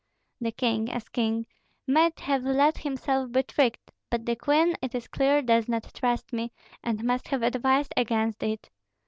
The king, as king, might have let himself be tricked; but the queen it is clear does not trust me, and must have advised against it.